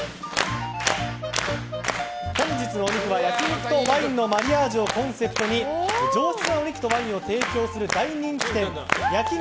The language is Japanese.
本日のお肉は焼き肉とワインのマリアージュをコンセプトに上質なお肉とワインを提供する大人気店焼肉